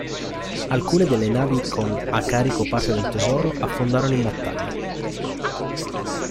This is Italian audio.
Alcune delle navi con a carico parte del tesoro affondarono in battaglia.